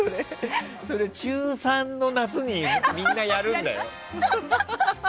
それは中３の夏にみんなやるんだよ。